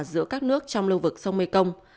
giữa các nước trong lưu vực sông mê công